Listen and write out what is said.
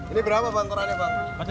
ini berapa bang korannya bang